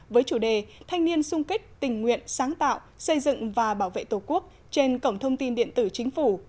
với chủ đề thanh niên sung kích tình nguyện sáng tạo xây dựng và bảo vệ tổ quốc trên cổng thông tin điện tử chính phủ